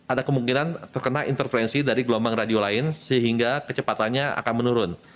ada kemungkinan terkena intervensi dari gelombang radio lain sehingga kecepatannya akan menurun